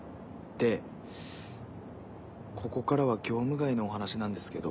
でここからは業務外のお話なんですけど。